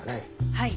はい。